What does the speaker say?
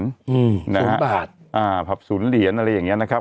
อืมนะฮะศูนย์บาทอ่าผับศูนย์เหรียญอะไรอย่างเงี้นะครับ